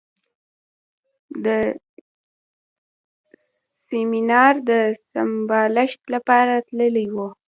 د سیمینار د سمبالښت لپاره تللی و.